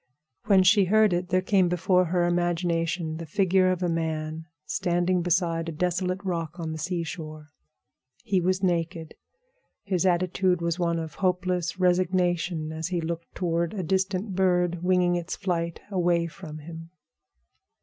When she heard it there came before her imagination the figure of a man standing beside a desolate rock on the seashore. He was naked. His attitude was one of hopeless resignation as he looked toward a distant bird winging its flight away from him.